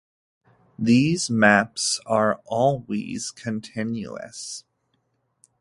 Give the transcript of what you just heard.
These maps are always continuous.